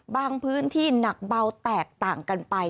พื้นที่หนักเบาแตกต่างกันไป